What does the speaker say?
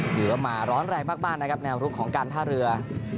ถือว่ามาร้อนแรงมากนะครับแนวรุกของการท่าเรือ